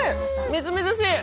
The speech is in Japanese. みずみずしい！